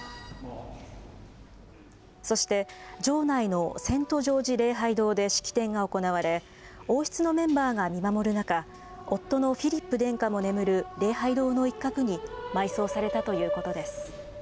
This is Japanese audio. そして、城内のセントジョージ礼拝堂で式典が行われ、王室のメンバーが見守る中、夫のフィリップ殿下も眠る礼拝堂の一角に埋葬されたということです。